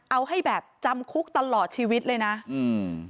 เอาให้แบบจำคุกตลอดชีวิตเลยนะอืม